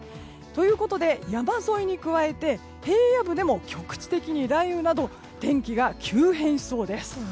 山沿いに加えて平野部でも局地的に雷雨など天気が急変しそうです。